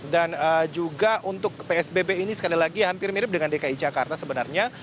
juga untuk psbb ini sekali lagi hampir mirip dengan dki jakarta sebenarnya